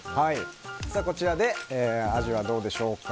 こちらでアジはどうでしょうか。